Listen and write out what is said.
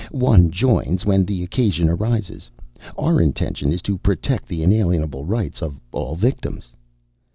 One joins when the occasion arises. Our intention is to protect the inalienable rights of all victims."